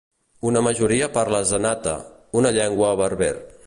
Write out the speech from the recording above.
Una majoria parla zenata, una llengua berber.